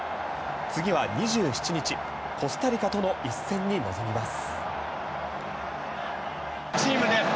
次は２７日コスタリカとの一戦に臨みます。